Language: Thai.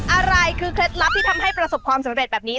อะไรคือเคล็ดลับที่ทำให้ประสบความสำเร็จแบบนี้